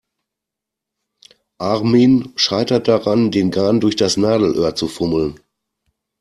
Armin scheitert daran, den Garn durch das Nadelöhr zu fummeln.